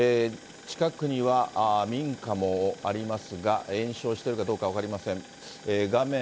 近くには民家もありますが、延焼しているかどうか分かりません。